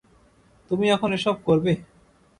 তুমি এখন এসব করবে?